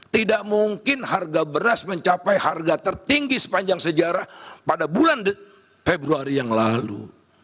tidak mungkin harga beras mencapai harga tertinggi sepanjang sejarah pada bulan februari yang lalu